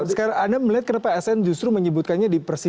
sekarang anda melihat kenapa sn justru menyebutkannya di persidangan